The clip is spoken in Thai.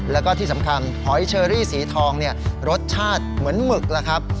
แล้วก็ที่สำคัญหอยเชอรี่สีทองเนี่ยรสชาติเหมือนหมึกแล้วครับ